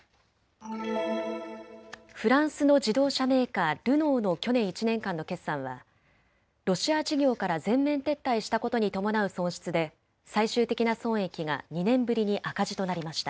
フランスの自動車メーカー、ルノーの去年１年間の決算はロシア事業から全面撤退したことに伴う損失で最終的な損益が２年ぶりに赤字となりました。